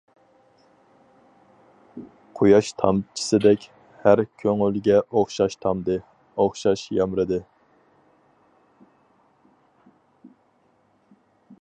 قۇياش تامچىسىدەك ھەر كۆڭۈلگە ئوخشاش تامدى، ئوخشاش يامرىدى.